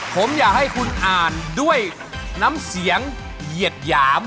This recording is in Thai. ผมอยากให้คุณอ่านด้วยน้ำเสียงเหยียดหยาม